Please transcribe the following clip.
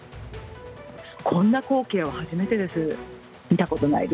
こんな光景は初めてです。